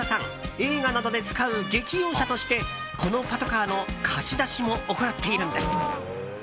映画などで使う劇用車としてこのパトカーの貸し出しも行っているんです。